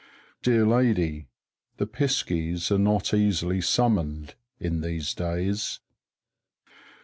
Dear lady, the piskies are not easily summoned, in these days.